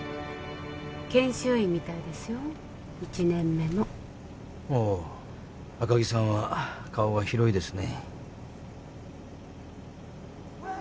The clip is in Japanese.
研修医みたいですよ一年目のほう赤城さんは顔が広いですね